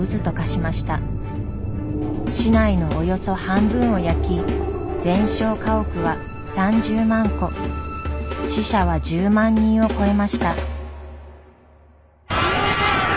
市内のおよそ半分を焼き全焼家屋は３０万戸死者は１０万人を超えました。